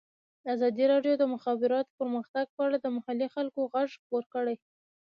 ازادي راډیو د د مخابراتو پرمختګ په اړه د محلي خلکو غږ خپور کړی.